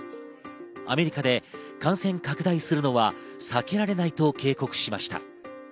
アメリカで感染拡大するのは避けられないと警告しました。